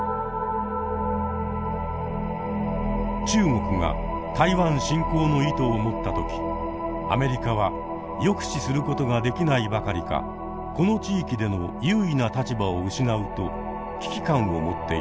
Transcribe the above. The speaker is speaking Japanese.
中国が台湾侵攻の意図を持った時アメリカは抑止することができないばかりかこの地域での優位な立場を失うと危機感を持っているのです。